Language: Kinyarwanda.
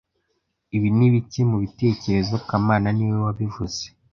Ibi ni bike mubitekerezo kamana niwe wabivuze